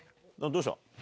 どうした？